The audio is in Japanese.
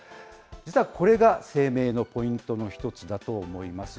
実はこれが声明のポイントの一つだと思います。